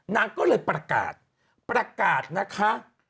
นางก็เลยประกาศประกาศนะคะ